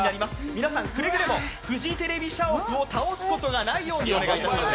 皆さん、くれぐれもフジテレビ社屋を倒すことがないようにお願いします。